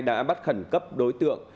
đã bắt khẩn cấp đối tượng